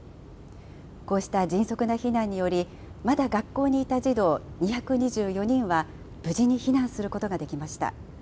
こうした迅速な避難により、まだ学校にいた児童２２４人は、無事に避難することができました。